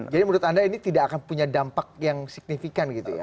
jadi menurut anda ini tidak akan punya dampak yang signifikan gitu ya